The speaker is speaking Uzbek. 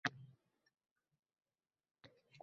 “Xalq uchun” operasi teatr sahnasida